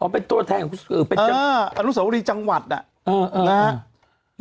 อ๋อเป็นตัวแทนเอออนุสาวรีจังหวัดน่ะเออเออนะฮะ